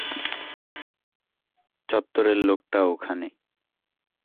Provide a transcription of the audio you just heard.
চত্বরের লোকটা ওখানে।